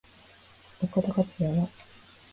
岡田克也は？